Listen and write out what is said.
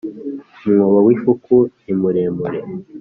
Umwobo wifuku nimuremure.